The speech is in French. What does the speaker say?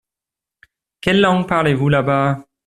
Quelle langue parlez-vous là-bas ?